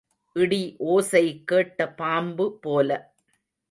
இடி ஓசை கேட்ட பாம்பு போல.